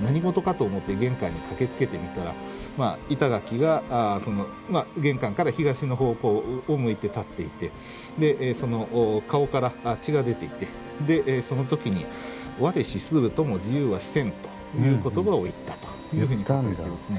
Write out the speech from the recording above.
何事かと思って玄関に駆けつけてみたら板垣が玄関から東の方向を向いて立っていてでその顔から血が出ていてでその時に「我死するとも自由は死せん」という言葉を言ったというふうに書かれていますね。